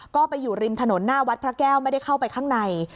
ก็ไปอยู่ริมถนนหน้าวัดพระแก้วไม่ได้เข้าไปข้างใน